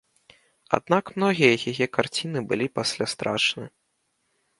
Аднак многія яе карціны былі пасля страчаны.